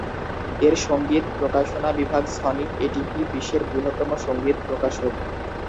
এর সঙ্গীত প্রকাশনা বিভাগ সনি/এটিভি বিশ্বের বৃহত্তম সঙ্গীত প্রকাশক।